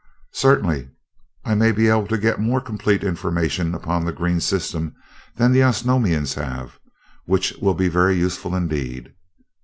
"Certainly. I may be able to get more complete information upon the green system than the Osnomians have, which will be very useful indeed.